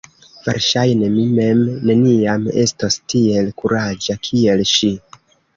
Verŝajne mi mem neniam estos tiel kuraĝa kiel ŝi.